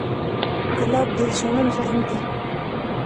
ګلاب د ژوند رنګ دی.